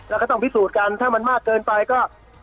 แล้วก็ต้องพิสูจน์กันถ้ามันมากเกินไปก็